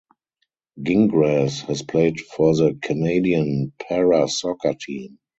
Gingras has played for the Canadian Para Soccer Team.